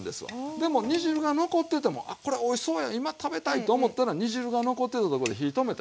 でも煮汁が残っててもあこれおいしそうや今食べたいと思ったら煮汁が残ってたとこで火止めたらよろしい。